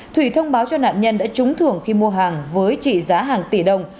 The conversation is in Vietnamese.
thủy thông báo cho nạn nhân đã trúng thưởng khi mua hàng với trị giá hàng tỷ đồng